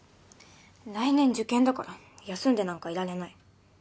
来年受験だから休んでなんかいられない。